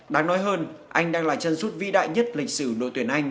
đáng nói hơn anh đang là chân sút vi đại nhất lịch sử đội tuyển anh